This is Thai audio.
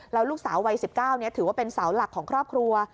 แล้วลูกสาววัย๑๙ถือว่าเป็นเสาหลักของครอบครัว